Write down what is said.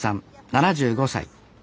７５歳。